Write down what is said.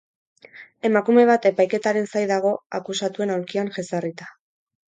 Emakume bat epaiketaren zai dago akusatuen aulkian jezarrita.